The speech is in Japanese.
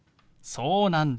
そうなんだ。